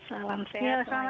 salam sehat selalu